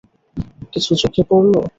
কিছু চোখে পড়লো?